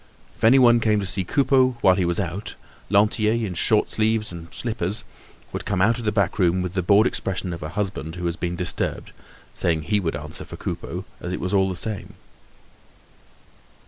If anyone came to see Coupeau while he was out, Lantier, in shirt sleeves and slippers, would come out of the back room with the bored expression of a husband who has been disturbed, saying he would answer for Coupeau as it was all the same.